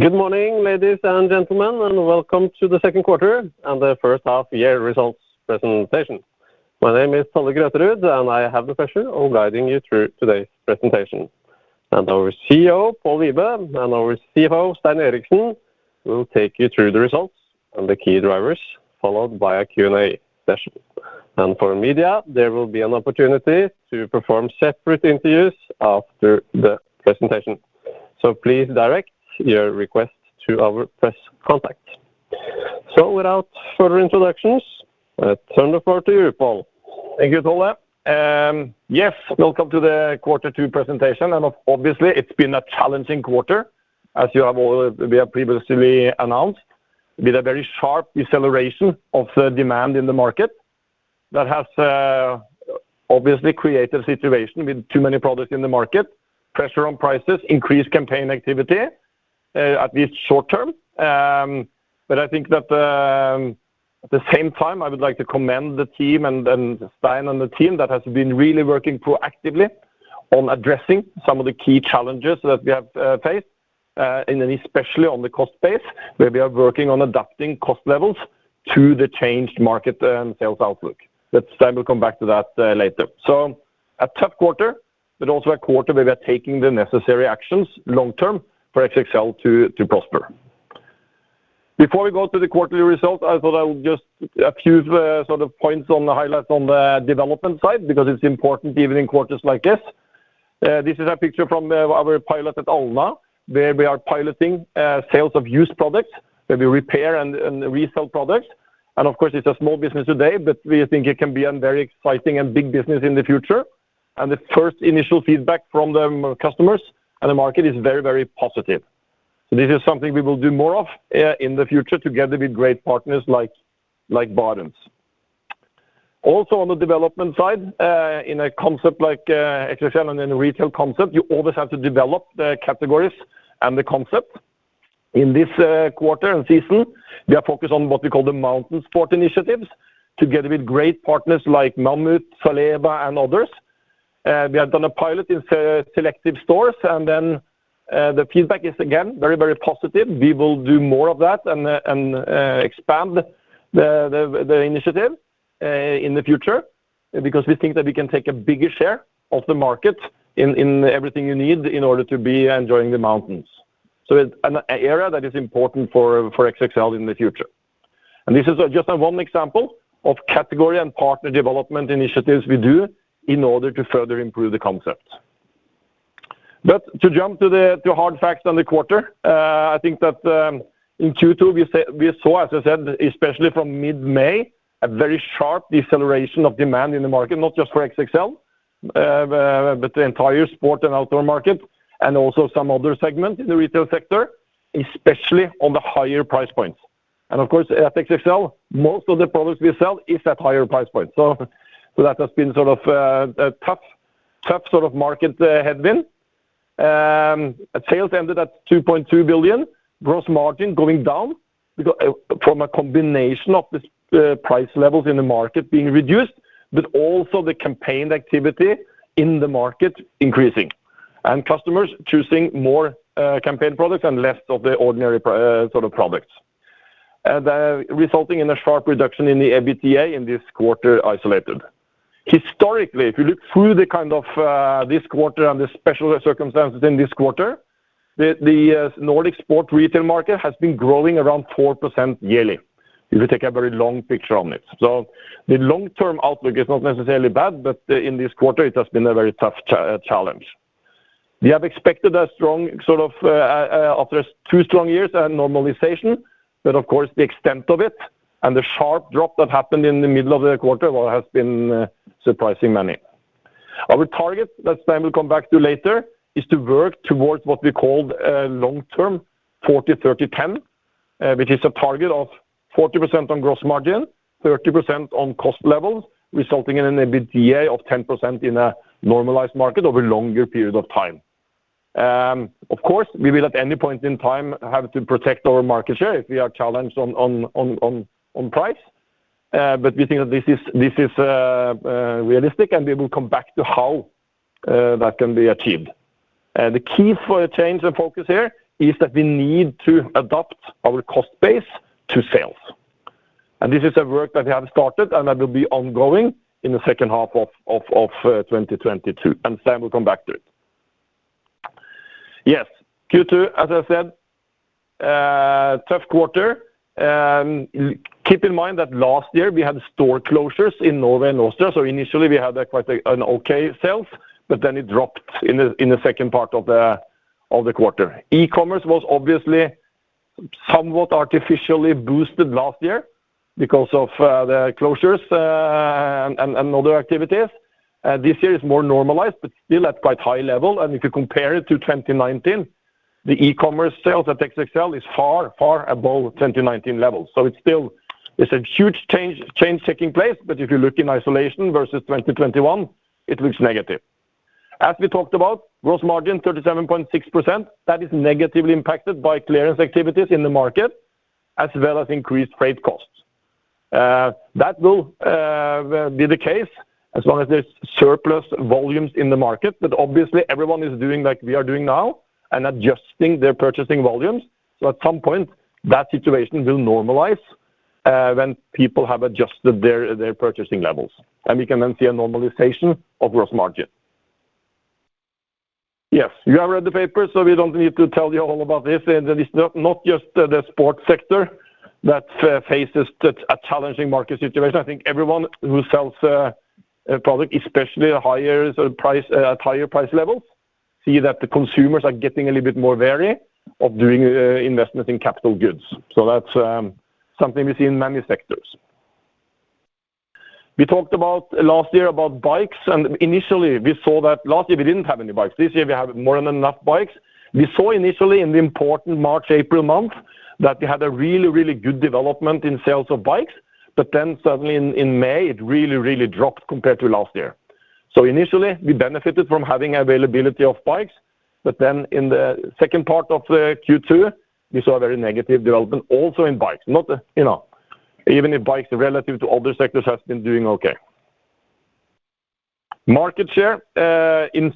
Good morning, ladies and gentlemen, and welcome to the second quarter and the first half year results presentation. My name is Tolle Grøterud, and I have the pleasure of guiding you through today's presentation. Our CEO, Pål Wibe, and our CFO, Stein Eriksen, will take you through the results and the key drivers, followed by a Q&A session. For media, there will be an opportunity to perform separate interviews after the presentation. Please direct your request to our press contact. Without further introductions, let's turn the floor to you, Pål. Thank you, Tolle. Yes, welcome to the quarter two presentation. Obviously, it's been a challenging quarter, as we have previously announced, with a very sharp deceleration of the demand in the market that has obviously created a situation with too many products in the market, pressure on prices, increased campaign activity, at least short-term. I think that at the same time, I would like to commend the team and Stein and the team that has been really working proactively on addressing some of the key challenges that we have faced, and then especially on the cost base, where we are working on adapting cost levels to the changed market and sales outlook. Stein will come back to that later. A tough quarter, but also a quarter where we are taking the necessary actions long-term for XXL to prosper. Before we go to the quarterly results, I thought I would just a few sort of points on the highlights on the development side because it's important even in quarters like this. This is a picture from our pilot at Alna, where we are piloting sales of used products, where we repair and resell products. Of course, it's a small business today, but we think it can be a very exciting and big business in the future. The first initial feedback from the customers and the market is very, very positive. This is something we will do more of in the future together with great partners like [Vardens. Also on the development side, in a concept like XXL and then retail concept, you always have to develop the categories and the concept. In this quarter and season, we are focused on what we call the mountain sport initiatives together with great partners like Mammut, Salewa, and others. We have done a pilot in select stores, and then the feedback is again, very, very positive. We will do more of that and expand the initiative in the future because we think that we can take a bigger share of the market in everything you need in order to be enjoying the mountains. An area that is important for XXL in the future. This is just one example of category and partner development initiatives we do in order to further improve the concept. To jump to the hard facts on the quarter, I think that in Q2, we saw, as I said, especially from mid-May, a very sharp deceleration of demand in the market, not just for XXL, but the entire sport and outdoor market and also some other segments in the retail sector, especially on the higher price points. Of course, at XXL, most of the products we sell is at higher price points. So that has been sort of a tough sort of market headwind. Sales ended at 2.2 billion. Gross margin going down because from a combination of this, price levels in the market being reduced, but also the campaign activity in the market increasing, and customers choosing more, campaign products and less of the ordinary sort of products. Resulting in a sharp reduction in the EBITDA in this quarter isolated. Historically, if you look through the kind of this quarter and the special circumstances in this quarter, the Nordic sport retail market has been growing around 4% yearly if you take a very long picture on it. The long-term outlook is not necessarily bad, but in this quarter it has been a very tough challenge. We have expected a strong sort of after 2 strong years a normalization, but of course, the extent of it and the sharp drop that happened in the middle of the quarter has been surprising many. Our target that Stein will come back to later is to work towards what we called long-term 40%-30%-10%, which is a target of 40% on gross margin, 30% on cost levels, resulting in an EBITDA of 10% in a normalized market over a longer period of time. Of course, we will at any point in time have to protect our market share if we are challenged on price, but we think that this is realistic, and we will come back to how that can be achieved. The key for the change of focus here is that we need to adapt our cost base to sales. This is a work that we have started, and that will be ongoing in the second half of 2022, and Stein will come back to it. Yes. Q2, as I said, tough quarter. Keep in mind that last year we had store closures in Norway and Austria, so initially we had quite an okay sales, but then it dropped in the second part of the quarter. E-commerce was obviously somewhat artificially boosted last year because of the closures, and other activities. This year is more normalized, but still at quite high level. If you compare it to 2019, the e-commerce sales at XXL is far, far above 2019 levels. It's still. It's a huge change taking place, but if you look in isolation versus 2021, it looks negative. As we talked about, gross margin, 37.6%, that is negatively impacted by clearance activities in the market as well as increased freight costs. That will be the case as long as there's surplus volumes in the market. Obviously everyone is doing like we are doing now and adjusting their purchasing volumes. At some point, that situation will normalize when people have adjusted their purchasing levels. We can then see a normalization of gross margin. Yes, you have read the paper, so we don't need to tell you all about this. It's not just the sports sector that faces a challenging market situation. I think everyone who sells a product, especially at higher price levels, see that the consumers are getting a little bit more wary of doing investment in capital goods. That's something we see in many sectors. We talked last year about bikes, and initially, we saw that last year we didn't have any bikes. This year, we have more than enough bikes. We saw initially in the important March, April month that we had a really good development in sales of bikes, but then suddenly in May, it really dropped compared to last year. Initially, we benefited from having availability of bikes, but then in the second part of the Q2, we saw a very negative development also in bikes. Not, you know, even if bikes relative to other sectors has been doing okay. Market share in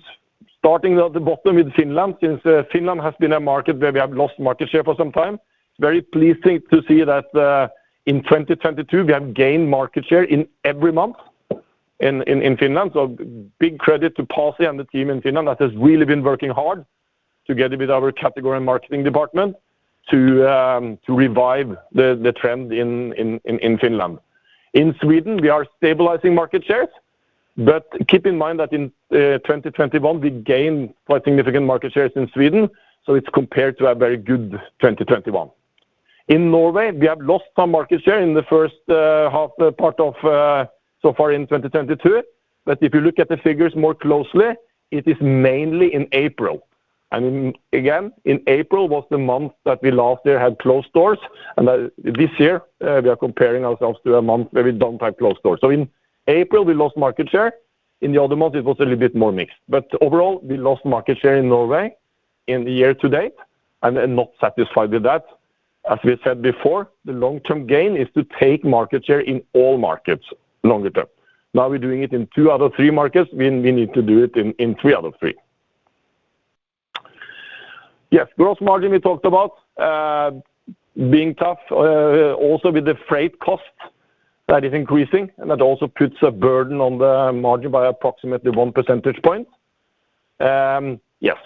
starting at the bottom with Finland, since Finland has been a market where we have lost market share for some time. It's very pleasing to see that in 2022, we have gained market share in every month in Finland. Big credit to Pasi and the team in Finland that has really been working hard together with our category and marketing department to revive the trend in Finland. In Sweden, we are stabilizing market shares, but keep in mind that in 2021, we gained quite significant market shares in Sweden, so it's compared to a very good 2021. In Norway, we have lost some market share in the first half part of so far in 2022. If you look at the figures more closely, it is mainly in April. I mean, again, in April was the month that we last year had closed stores, and this year we are comparing ourselves to a month where we don't have closed stores. In April, we lost market share. In the other months, it was a little bit more mixed. Overall, we lost market share in Norway in the year to date and not satisfied with that. As we said before, the long-term gain is to take market share in all markets longer term. Now we're doing it in two out of three markets. We need to do it in three out of three. Yes, gross margin we talked about, being tough, also with the freight cost that is increasing, and that also puts a burden on the margin by approximately 1 percentage point. Yes,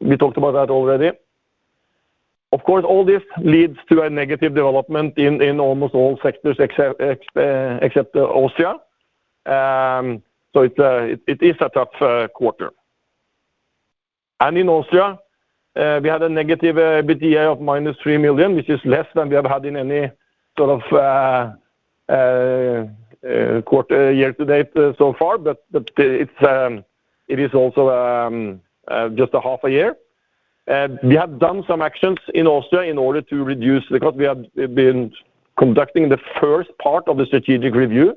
we talked about that already. Of course, all this leads to a negative development in almost all sectors except Austria. It is a tough quarter. In Austria, we had a negative EBITDA of -3 million, which is less than we have had in any sort of quarter year-to-date so far. It is also just a half a year. We have done some actions in Austria in order to reduce the cost. We have been conducting the first part of the strategic review.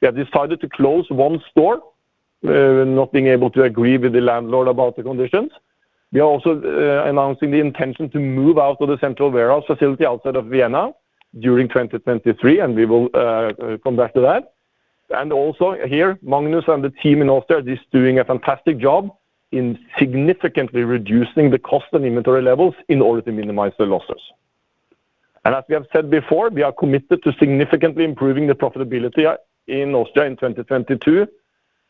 We have decided to close one store, not being able to agree with the landlord about the conditions. We are also announcing the intention to move out of the central warehouse facility outside of Vienna during 2023, and we will come back to that. Also here, Magnus and the team in Austria are just doing a fantastic job in significantly reducing the cost and inventory levels in order to minimize the losses. As we have said before, we are committed to significantly improving the profitability in Austria in 2022,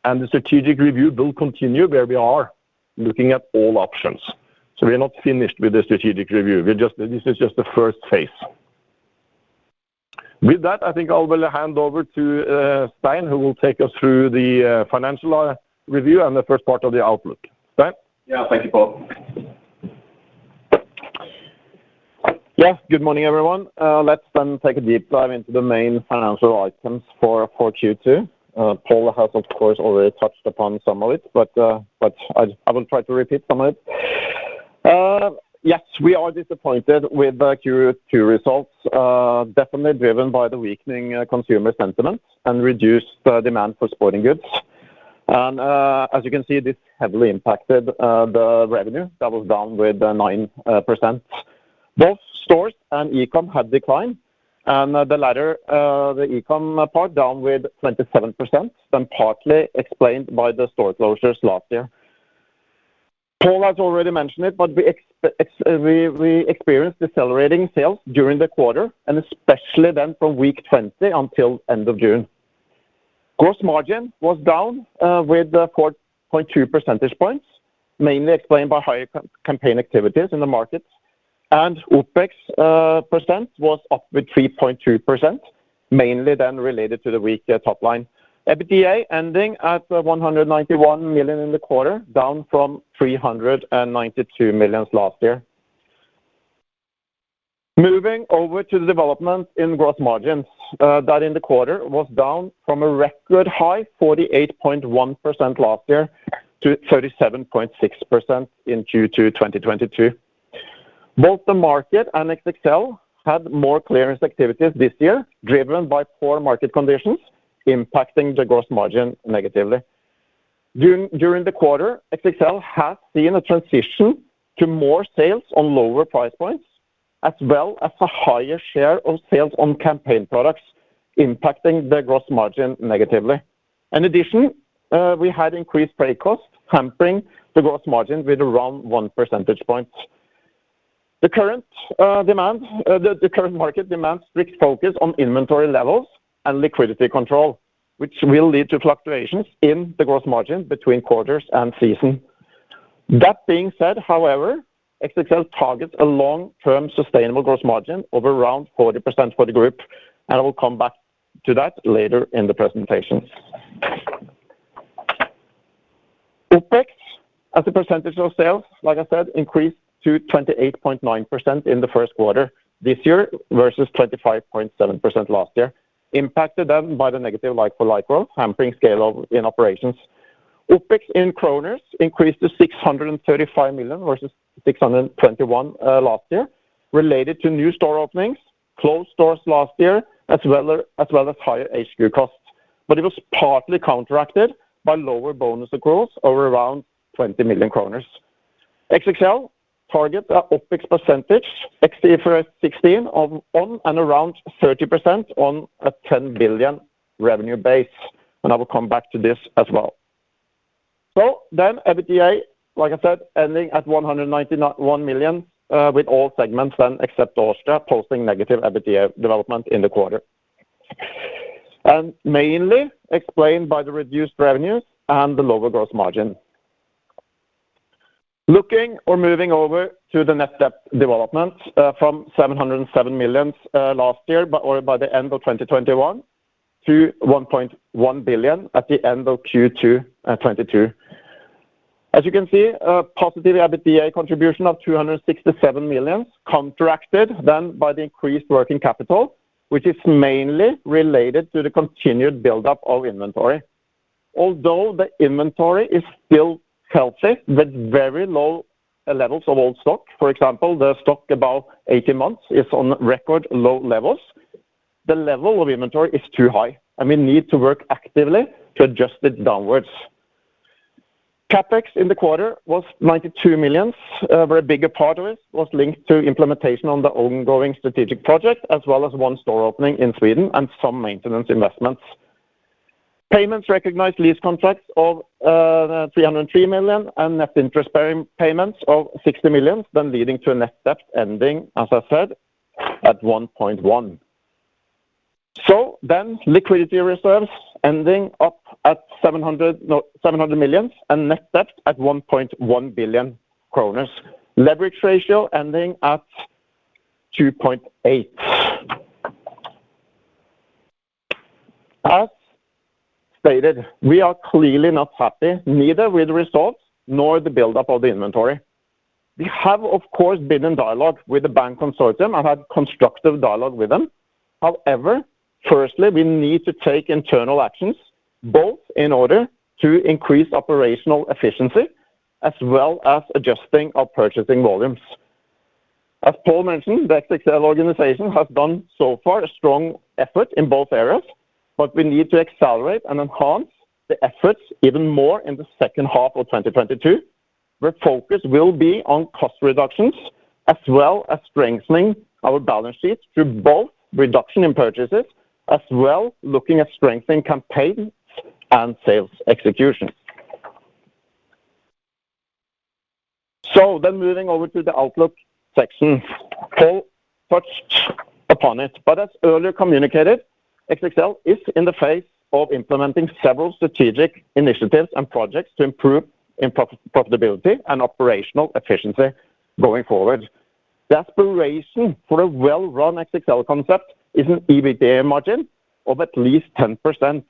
and the strategic review will continue where we are looking at all options. We are not finished with the strategic review. This is just the first phase. With that, I think I will hand over to Stein, who will take us through the financial review and the first part of the outlook. Stein? Yeah. Thank you, Pål. Yeah, good morning, everyone. Let's then take a deep dive into the main financial items for Q2. Pål has, of course, already touched upon some of it, but I will try to repeat some of it. Yes, we are disappointed with the Q2 results, definitely driven by the weakening consumer sentiment and reduced demand for sporting goods. As you can see, this heavily impacted the revenue. That was down with 9%. Both stores and e-com have declined, and the latter, the e-com part down with 27% and partly explained by the store closures last year. Pål has already mentioned it, but we experienced decelerating sales during the quarter and especially then from week 20 until end of June. Gross margin was down with 4.2 percentage points, mainly explained by higher campaign activities in the markets. OPEX percent was up with 3.2%, mainly then related to the weaker top line. EBITDA ending at 191 million in the quarter, down from 392 million last year. Moving over to the development in gross margins, that in the quarter was down from a record high 48.1% last year to 37.6% in Q2 2022. Both the market and XXL had more clearance activities this year, driven by poor market conditions impacting the gross margin negatively. During the quarter, XXL has seen a transition to more sales on lower price points as well as a higher share of sales on campaign products impacting their gross margin negatively. In addition, we had increased freight costs hampering the gross margin with around 1 percentage point. The current market demands strict focus on inventory levels and liquidity control, which will lead to fluctuations in the gross margin between quarters and season. That being said, however, XXL targets a long-term sustainable gross margin of around 40% for the group, and I will come back to that later in the presentation. OPEX as a percentage of sales, like I said, increased to 28.9% in the first quarter this year versus 25.7% last year impacted then by the negative like-for-like growth hampering scale in operations. OPEX in NOK increased to 635 million versus 621 million last year related to new store openings, closed stores last year, as well as higher HQ costs. It was partly counteracted by lower bonus accruals of around 20 million kroner. XXL targets an OPEX percentage of the [IFRS 16] for around 30% on a 10 billion revenue base. I will come back to this as well. EBITDA, like I said, ending at 191 million, with all segments except Austria posting negative EBITDA development in the quarter. Mainly explained by the reduced revenues and the lower gross margin. Moving over to the net debt development, from 707 million last year by the end of 2021 to 1.1 billion at the end of Q2 2022. As you can see, a positive EBITDA contribution of 267 million offset by the increased working capital, which is mainly related to the continued buildup of inventory. Although the inventory is still healthy with very low levels of old stock, for example, the stock about eighteen months is on record low levels, the level of inventory is too high, and we need to work actively to adjust it downwards. CapEx in the quarter was 92 million, where a bigger part of it was linked to implementation on the ongoing strategic project as well as one store opening in Sweden and some maintenance investments. Payments on recognized lease contracts of 303 million and net interest payments of 60 million, then leading to a net debt ending, as I said, at 1.1. Liquidity reserves ending up at 700 million and net debt at 1.1 billion kroner. Leverage ratio ending at 2.8. As stated, we are clearly not happy neither with the results nor the buildup of the inventory. We have of course been in dialogue with the bank consortium and had constructive dialogue with them. However, firstly, we need to take internal actions both in order to increase operational efficiency as well as adjusting our purchasing volumes. As Pål mentioned, the XXL organization has done so far a strong effort in both areas, but we need to accelerate and enhance the efforts even more in the second half of 2022, where focus will be on cost reductions as well as strengthening our balance sheets through both reduction in purchases as well looking at strengthening campaigns and sales execution. Moving over to the outlook section. Pål touched upon it, but as earlier communicated, XXL is in the phase of implementing several strategic initiatives and projects to improve in profitability and operational efficiency going forward. The aspiration for a well-run XXL concept is an EBITDA margin of at least 10%.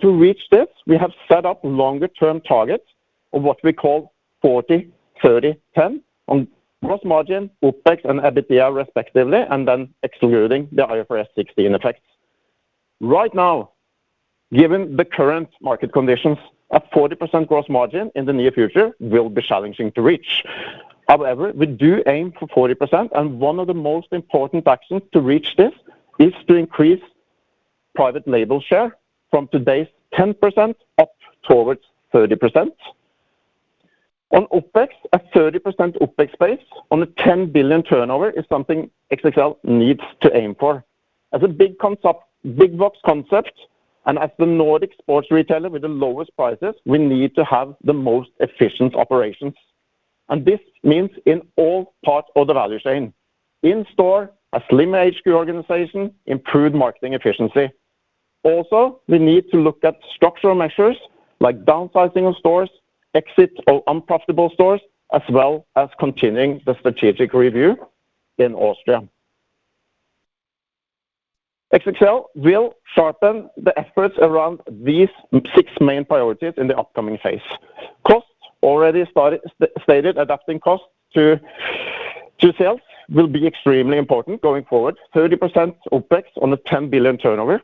To reach this, we have set up longer-term targets of what we call 40%-30%-10% on gross margin, OPEX, and EBITDA respectively, and then excluding the IFRS 16 effects. Right now, given the current market conditions, a 40% gross margin in the near future will be challenging to reach. However, we do aim for 40%, and one of the most important actions to reach this is to increase private label share from today's 10% up towards 30%. On OPEX, a 30% OPEX base on a 10 billion turnover is something XXL needs to aim for. As a big box concept and as the Nordic sports retailer with the lowest prices, we need to have the most efficient operations. This means in all parts of the value chain. In store, a slim HQ organization, improved marketing efficiency. Also, we need to look at structural measures like downsizing of stores, exit of unprofitable stores, as well as continuing the strategic review in Austria. XXL will sharpen the efforts around these six main priorities in the upcoming phase. Costs already started adapting costs to sales will be extremely important going forward. 30% OPEX on a 10 billion turnover.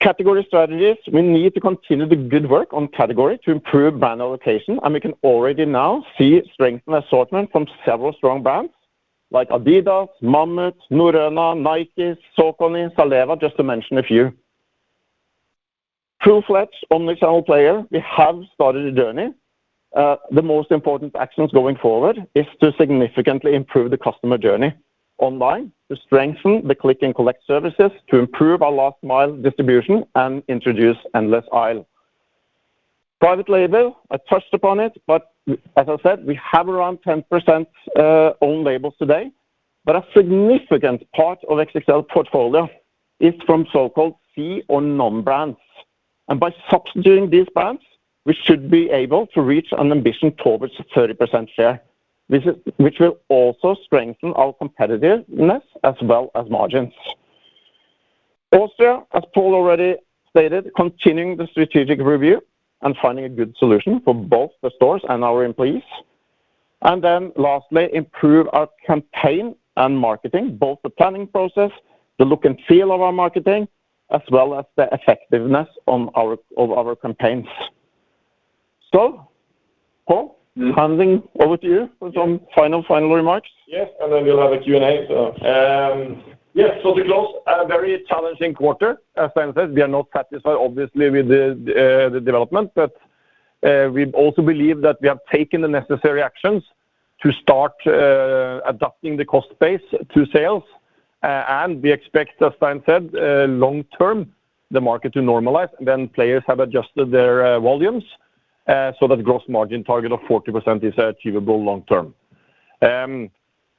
Category strategies, we need to continue the good work on category to improve brand allocation, and we can already now see strength in assortment from several strong brands like Adidas, Mammut, Norrøna, Nike, Saucony, Salewa, just to mention a few. True flat omnichannel player. We have started a journey. The most important actions going forward is to significantly improve the customer journey online, to strengthen the click-and-collect services, to improve our last mile distribution, and introduce endless aisle. Private label, I touched upon it, but as I said, we have around 10%, own labels today, but a significant part of XXL portfolio is from so-called fee or non-brands. By substituting these brands, we should be able to reach an ambition towards 30% share. Which will also strengthen our competitiveness as well as margins. Austria, as Pål already stated, continuing the strategic review and finding a good solution for both the stores and our employees. Lastly, improve our campaign and marketing, both the planning process, the look and feel of our marketing, as well as the effectiveness of our campaigns. Pål- Mm. handing over to you for some final remarks. Yes. Then we'll have a Q&A. We close a very challenging quarter. As Stein said, we are not satisfied obviously with the development, but we also believe that we have taken the necessary actions to start adapting the cost base to sales. We expect, as Stein said, long term, the market to normalize when players have adjusted their volumes, so that gross margin target of 40% is achievable long term.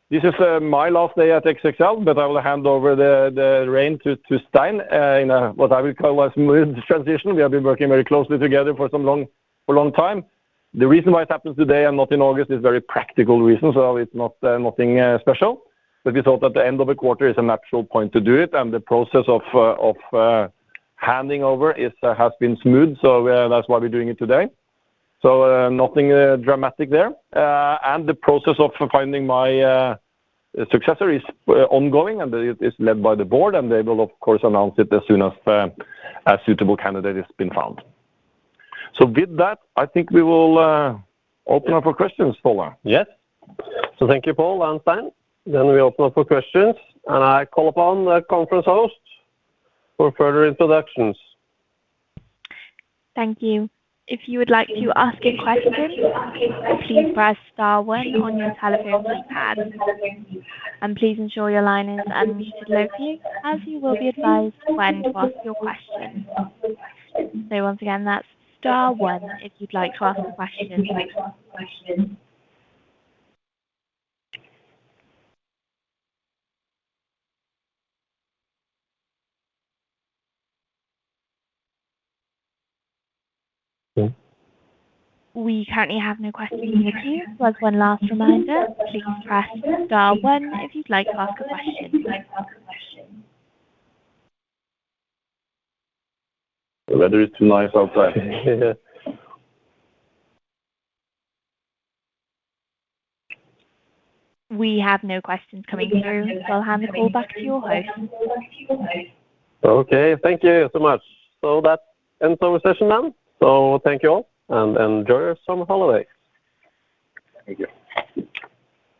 This is my last day at XXL, but I will hand over the reins to Stein in a what I will call a smooth transition. We have been working very closely together for a long time. The reason why it happens today and not in August is very practical reasons. It's not nothing special, but we thought that the end of the quarter is a natural point to do it and the process of handing over has been smooth. Nothing dramatic there. The process of finding my successor is ongoing and it is led by the board, and they will of course announce it as soon as a suitable candidate has been found. With that, I think we will open up for questions, Tolle. Yes. Thank you, Pål and Stein. We open up for questions and I call upon the conference host for further introductions. Thank you. If you would like to ask a question, please press star one on your telephone keypad. Please ensure your line is unmuted locally as you will be advised when to ask your question. Once again, that's star one if you'd like to ask a question. Yeah. We currently have no questions with you. Plus one last reminder. Please press star one if you'd like to ask a question. The weather is too nice outside. We have no questions coming through. I'll hand it back to you both. Okay. Thank you so much. That ends our session then. Thank you all and enjoy your summer holiday. Thank you.